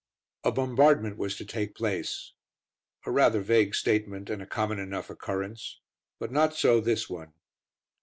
A bombardment was to take place. A rather vague statement, and a common enough occurrence; but not so this one.